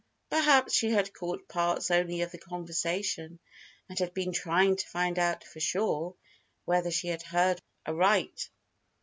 Perhaps she had caught parts only of the conversation, and had been trying to find out "for sure" whether she had heard aright.